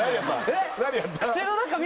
えっ？